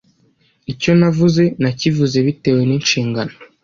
Icyo navuze, nakivuze bitewe n’inshingano